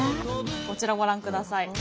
こちらをご覧ください。